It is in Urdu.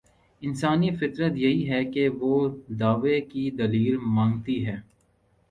انسانی فطرت یہی ہے کہ وہ دعوے کی دلیل مانگتی ہے۔